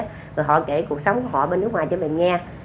rồi họ kể cuộc sống của họ bên nước ngoài cho mình nghe